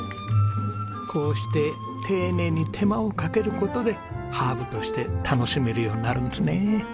こうして丁寧に手間をかける事でハーブとして楽しめるようになるんですね。